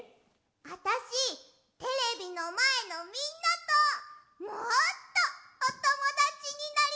あたしテレビのまえのみんなともっとおともだちになりたい！